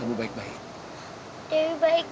bapak sayangkan aku